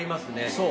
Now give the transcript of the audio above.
そう！